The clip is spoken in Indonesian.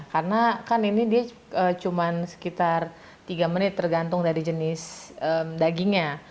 karena kan ini dia cuma sekitar tiga menit tergantung dari jenis dagingnya